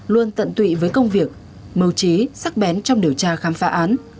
luôn tận tụy với công việc mâu trí sắc bén trong điều tra khám phá án